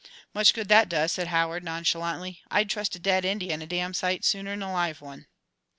"Much good that does," said Howard, nonchalantly. "I'd trust a dead Indian a damn sight sooner 'n a live one."